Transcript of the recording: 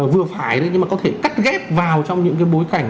vừa phải nhưng mà có thể cắt ghép vào trong những cái bối cảnh